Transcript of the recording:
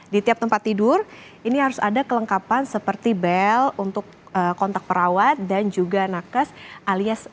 di tiap tempat tidur ini harus ada kelengkapan seperti bel untuk kontak perawat dan juga nakes alias